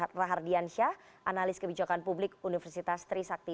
dan juga pak tata hardiansyah analis kebijakan publik universitas trisakti